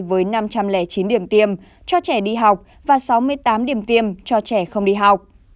với năm trăm linh chín điểm tiêm cho trẻ đi học và sáu mươi tám điểm tiêm cho trẻ không đi học